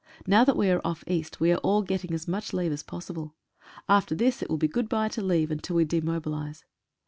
Now that we are off East we are all getting as much leave as possible. After this it will be good bye to leave until we demo bilise.